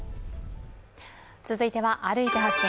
続いては「歩いて発見！